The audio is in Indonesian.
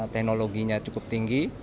teknologinya cukup tinggi